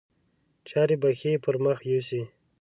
چارې به ښې پر مخ یوسي.